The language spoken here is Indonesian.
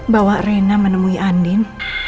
bahwa rena menemui andin